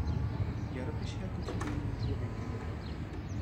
"Ja robię się jakimś innym człowiekiem..."